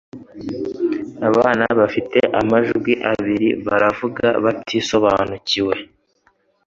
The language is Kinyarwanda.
(Abana bafite amajwi abiri) baravuga batabisobanukiwe